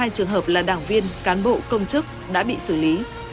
hai trăm ba mươi hai trường hợp là đảng viên cán bộ công chức đã bị xử lý